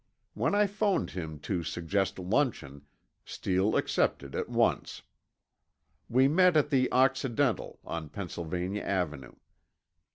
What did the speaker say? When I phoned him to suggest luncheon, Steele accepted at once. We met at the Occidental, on Pennsylvania Avenue.